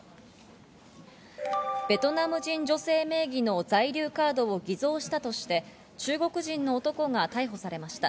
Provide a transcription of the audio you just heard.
ベトナム人女性名義の在留カードを偽造したとして、中国人の男が逮捕されました。